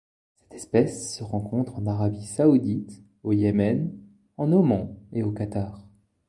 Cette espèce se rencontre en Arabie saoudite, au Yémen, en Oman et au Qatar.